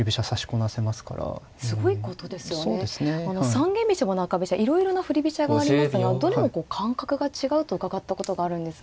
三間飛車も中飛車いろいろな振り飛車がありますがどれも感覚が違うと伺ったことがあるんですが。